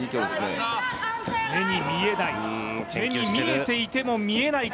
目に見えない、目に見えていても見えない